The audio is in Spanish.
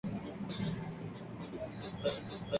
Al oeste se encuentra el distrito de Coronel Oviedo.